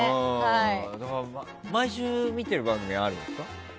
毎週見てる番組あるんですか？